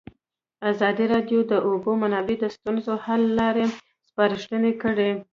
ازادي راډیو د د اوبو منابع د ستونزو حل لارې سپارښتنې کړي.